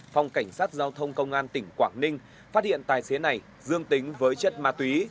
phòng cảnh sát giao thông công an tỉnh quảng ninh phát hiện tài xế này dương tính với chất ma túy